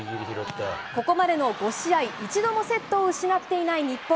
ここまでの５試合、一度もセットを失っていない日本。